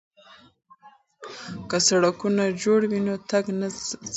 که سړکونه جوړ وي نو تګ نه ستیږي.